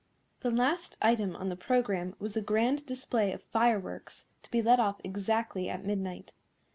The last item on the programme was a grand display of fireworks, to be let off exactly at midnight.